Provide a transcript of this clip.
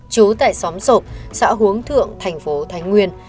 chú tại xóm sộp xã huống thượng tp thánh nguyên